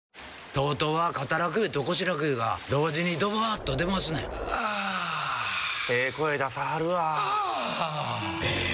ＴＯＴＯは肩楽湯と腰楽湯が同時にドバーッと出ますねんあええ声出さはるわあええ